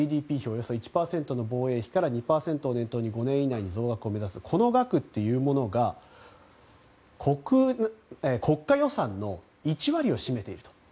およそ１％の防衛費から２％を念頭に５年以内に増額を目指す額というのが国家予算の１割を占めていると。